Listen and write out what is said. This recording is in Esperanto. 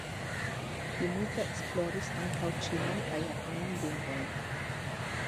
Li multe esploris ankaŭ ĉinan kaj japanan lingvojn.